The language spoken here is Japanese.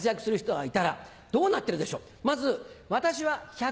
はい！